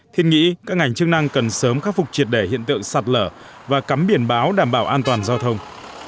thiên nghĩ các ngành chức năng cần sớm khắc phục triệt đẻ hiện tượng sạt lở và cắm biển báo đảm bảo an toàn giao thông